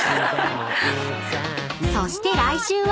［そして来週は］